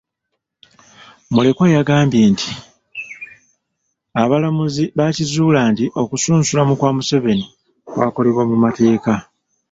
Mulekwa yagambye nti, abalamuzi baakizuula nti okunsunsulamu kwa Museveni kwakolebwa mu mateeka.